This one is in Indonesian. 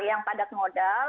yang padat modal